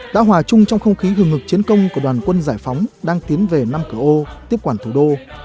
đã hòa chung trong không khí hừng ngực chiến công của đoàn quân giải phóng đang tiến về năm cửa ô